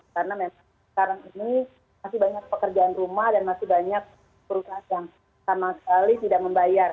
karena memang sekarang ini masih banyak pekerjaan rumah dan masih banyak perusahaan yang sama sekali tidak membayar